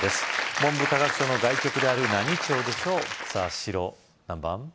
文部科学省の外局である何庁でしょうさぁ白何番？